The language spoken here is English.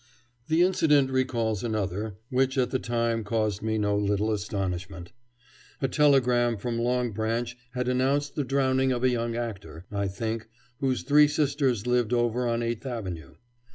The incident recalls another, which at the time caused me no little astonishment. A telegram from Long Branch had announced the drowning of a young actor, I think, whose three sisters lived over on Eighth Avenue.